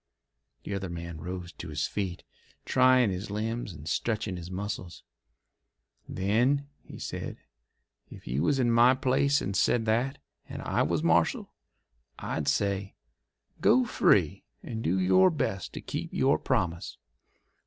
The other man rose to his feet, trying his limbs and stretching his muscles. "Then," said he, "if you was in my place and said that, and I was marshal, I'd say: 'Go free, and do your best to keep your promise.